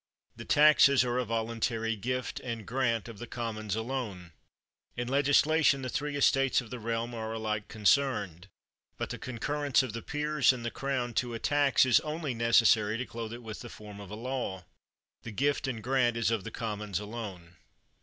The taxes are a voluntary gift and grant of the Commons alone. In legislation the three estates of the realm are alike concerned; but the con currence of the peers and the Crown to a tax is only necessary to clothe it with the form of a law. The gift and grant is of the Commons alone.